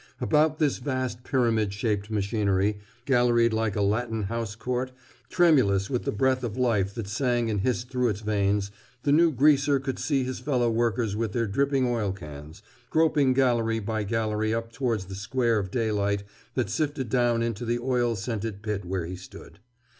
About this vast pyramid shaped machinery, galleried like a Latin house court, tremulous with the breath of life that sang and hissed through its veins, the new greaser could see his fellow workers with their dripping oil cans, groping gallery by gallery up towards the square of daylight that sifted down into the oil scented pit where he stood.